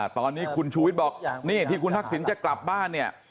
ตอนนี้คุณชูวิทย์บอกนี่ที่คุณทักษิณจะกลับบ้านเนี่ย